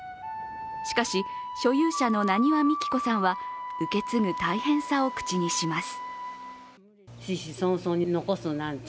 しかし、所有者の浪花幹子さんは受け継ぐ大変さを口にします。